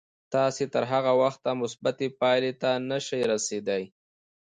تاسې تر هغه وخته مثبتې پايلې ته نه شئ رسېدای.